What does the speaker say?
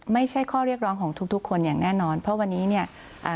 ไม่ใช่ข้อเรียกร้องของทุกทุกคนอย่างแน่นอนเพราะวันนี้เนี่ยอ่า